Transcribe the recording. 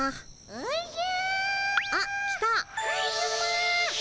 おじゃ。